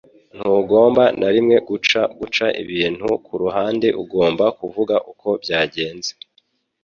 Ntugomba na rimwe guca guca ibintu kuruhande ugomba kuvuga uko byagenze